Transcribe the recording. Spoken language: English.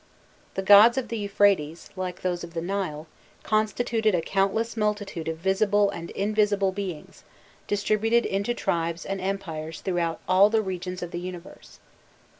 The gods of the Euphrates, like those of the Nile, constituted a countless multitude of visible and invisible beings, distributed into tribes and empires throughout all the regions of the universe.